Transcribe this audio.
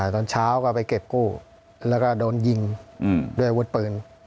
ตอนเช้าก็ไปเก็บกู้แล้วก็โดนยิงด้วยอาวุธปืน